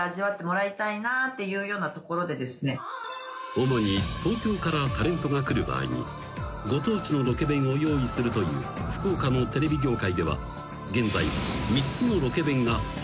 ［主に東京からタレントが来る場合にご当地のロケ弁を用意するという福岡のテレビ業界では現在］